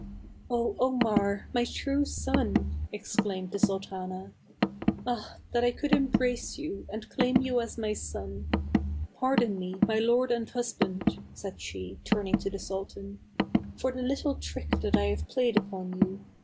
" 0, Omar ! my true son !" exclaimed the sul tana. " Ah ! that I could embrace you, and claim you as my son. Pardon me, my lord and hus band," said she, turning to the sultan, " for the little trick that I have played upon you.